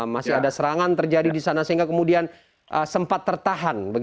masih ada serangan terjadi di sana sehingga kemudian sempat tertahan